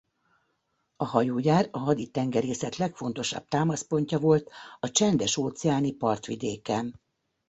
A hajógyár a haditengerészet legfontosabb támaszpontja volt a csendes-óceáni partvidéken.